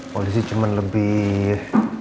polisi cuman lebih